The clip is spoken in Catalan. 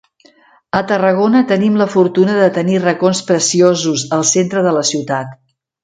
A Tarragona tenim la fortuna de tenir racons preciosos al centre de la ciutat.